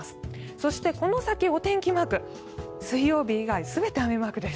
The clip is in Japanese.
そして、この先お天気マーク水曜日以外全て雨マークです。